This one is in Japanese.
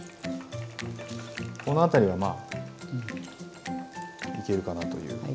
この辺りはまあいけるかなという。